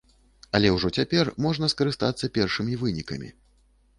Але ўжо цяпер можна скарыстацца першымі вынікамі.